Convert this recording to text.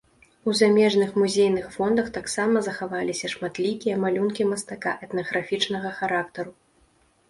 У замежных музейных фондах таксама захаваліся шматлікія малюнкі мастака этнаграфічнага характару.